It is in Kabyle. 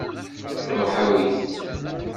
Ruḥ awi-t.